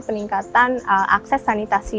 peningkatan akses sanitasi